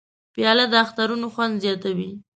پیاله د اخترونو خوند زیاتوي.